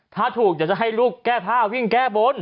ถ้าถูกเดี๋ยวจะให้ลูกแก้ผ้าวิ่งแก้บน